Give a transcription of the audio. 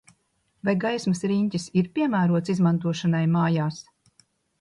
Vai gaismas riņķis ir piemērots izmantošanai mājās?